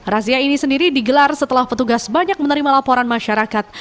razia ini sendiri digelar setelah petugas banyak menerima laporan masyarakat